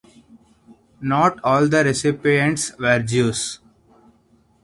Not all the recipients were Jews.